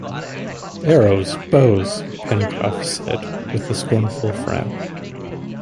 Arrows, bows! Pencroff said with a scornful frown.